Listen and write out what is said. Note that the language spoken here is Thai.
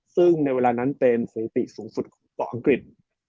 ซึ่งในเวลานั้นเป็นสถิติสูงสุดต่ออังกฤษ